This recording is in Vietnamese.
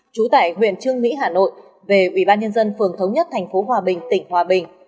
chú tải huyện trương mỹ hà nội về ubnd phường thống nhất tp hòa bình tỉnh hòa bình